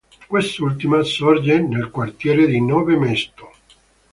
Quest'ultima sorge nel quartiere di Nové Město.